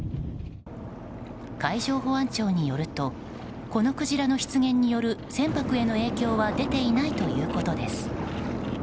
海上保安庁によるとこのクジラの出現による船舶への影響は出ていないということです。